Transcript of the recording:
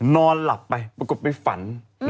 นอนหลับไปปรากฏไปฝัน